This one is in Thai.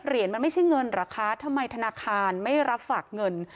เหรียญมันไม่ใช่เงินเหรอคะทำไมธนาคารไม่รับฝากเงิน